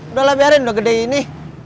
udahlah biarin udah gede ini